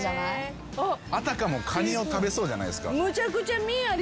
あたかもカニを食べそうじゃないですか？